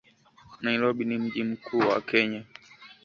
Nairobi ni mji mkuu wa Kenya